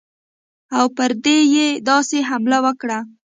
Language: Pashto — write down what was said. او پر دیر یې داسې حمله وکړه.